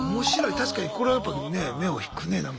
確かにこれはやっぱね目を引くね何か。